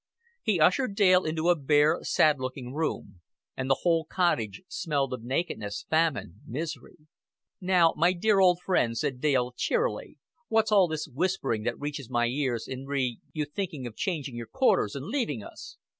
He ushered Dale into a bare, sad looking room; and the whole cottage smelled of nakedness, famine, misery. "Now, my dear old friend," said Dale cheerily, "what's all this whispering that reaches my ears in re you thinking of changing your quarters and leaving us?"